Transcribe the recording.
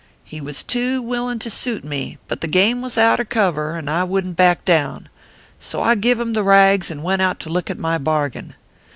" He was too willin to suit me ; but the game was outer cover, and I wouldn t back down. So I give him the rags, and went out to look at my bargain.